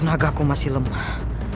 tenagaku masih lemah